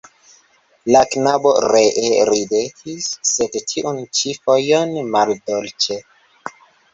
La knabo ree ridetis, sed tiun ĉi fojon maldolĉe.